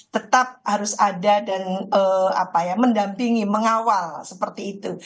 tetap harus ada dan mendampingi mengawal seperti itu